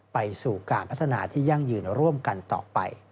ไปสู่การพัฒนาที่ยั่งยืนร่วมกันต่อไป